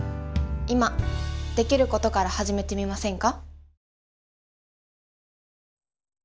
今できることから始めてみませんか？